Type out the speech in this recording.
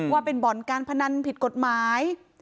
ว่าเป็นบ่อนการพนันผิดกฎหมาย